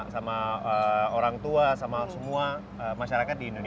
sama orang tua sama semua masyarakat di indonesia